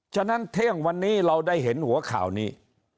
ฉะนั้นเที่ยงวันนี้เราได้เห็นหัวข่าวนี้